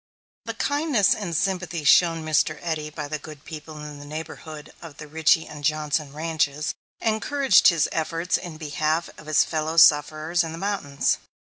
The kindness and sympathy shown Mr. Eddy by the good people in the neighborhood of the Richey and Johnson ranches encouraged his efforts in behalf of his fellow sufferers in the mountains.